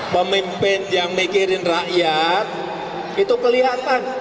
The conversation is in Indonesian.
pemimpin yang mikirin rakyat itu kelihatan